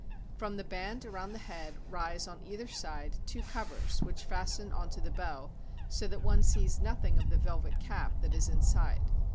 From the band around the head rise on either side two covers which fasten on to the bow, so that one sees nothing of the velvet cap that is inside.